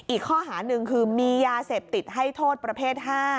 อีกข้อหาหนึ่งคือมียาเสพติดให้โทษประเภท๕